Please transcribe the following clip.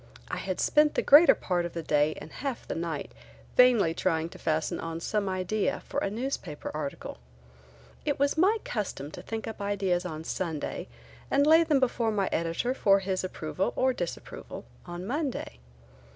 I had spent a greater part of the day and half the night vainly trying to fasten on some idea for a newspaper article. It was my custom to think up ideas on Sunday and lay them before my editor for his approval or disapproval on Monday.